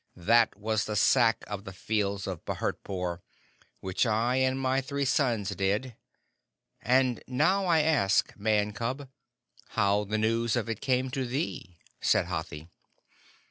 That was the Sack of the Fields of Bhurtpore, which I and my three sons did; and now I ask, Man cub, how the news of it came to thee?" said Hathi.